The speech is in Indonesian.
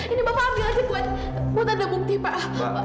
ini bapak ambil aja buat buat ada bukti pak